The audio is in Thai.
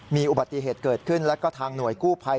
มีอุบัติเหตุเกิดขึ้นแล้วก็ทางหน่วยกู้ภัย